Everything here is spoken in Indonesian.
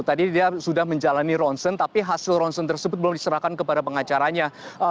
tadi dia sudah menjalani ronsen tapi hasil ronsen tersebut belum diserahkan kepada pengacaranya